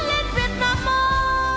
lên việt nam ơi